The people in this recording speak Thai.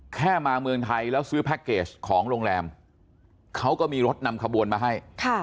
แค่มาเมืองไทยแล้วซื้อแพ็คเกจของโรงแรมเขาก็มีรถนำขบวนมาให้